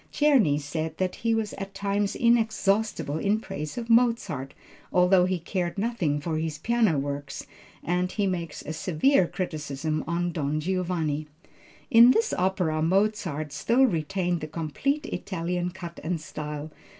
Czerny said that he was at times inexhaustible in praise of Mozart, although he cared nothing for his piano works and he makes a severe criticism on Don Giovanni. "In this opera Mozart still retained the complete Italian cut and style.